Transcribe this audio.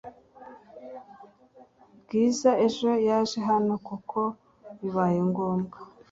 Bwiza ejo yaje hano kuko bibaye ngombwa